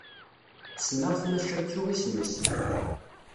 Ssneɣ-t maca ttuɣ isem-is.